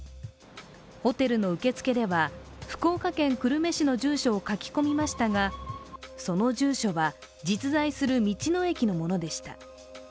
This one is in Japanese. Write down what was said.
ホテルの受け付けでは、福岡県久留米市の住所を書き込みましたが、その住所は、実在する道の駅のものでした。